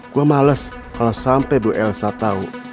saya penat sampai bu elsa tahu